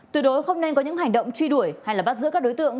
tuy đối không nên có những hành động truy đuổi hay là bắt giữ các đối tượng